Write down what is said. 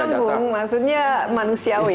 tapi nyambung maksudnya manusiawi